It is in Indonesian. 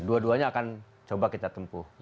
dua duanya akan coba kita tempuh